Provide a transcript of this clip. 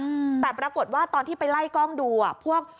อืมแต่ปรากฏว่าตอนที่ไปไล่กล้องดูอ่ะพวก